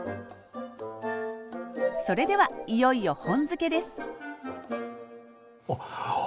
それではいよいよ「本漬け」ですあっ！